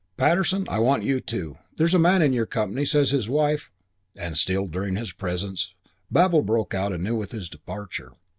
"Patterson, I want you too. There's a man in your company says his wife " And, stilled during his presence, babel broke out anew with his departure.